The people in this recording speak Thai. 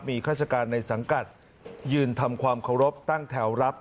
มีข้าราชการในสังกัดยืนทำความเคารพตั้งแถวรับ